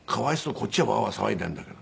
こっちはワーワー騒いでるんだから。